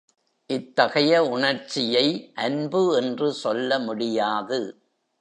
இத்தகைய உணர்ச்சியை அன்பு என்று சொல்ல முடியாது.